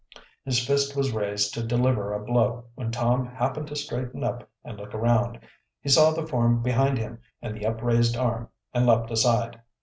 His fist was raised to deliver a blow when Tom happened to straighten up and look around. He saw the form behind him and the upraised arm and leaped aside.